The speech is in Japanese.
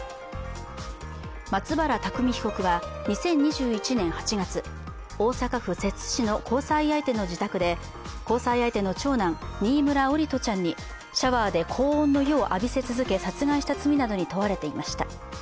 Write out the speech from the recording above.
松原拓海被告は２０２１年８月、大阪府摂津市の交際相手の自宅で交際相手の長男・新村桜利斗ちゃんにシャワーで高温の湯を浴びせ続け殺害した罪などに問われていました。